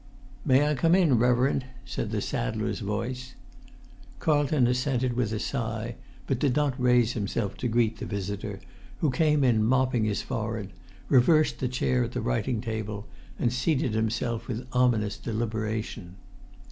"May I come in, reverend?" said the saddler's voice. Carlton assented with a sigh, but did not raise himself to greet the visitor, who came in mopping his forehead, reversed the chair at the writing table, and seated himself with ominous deliberation.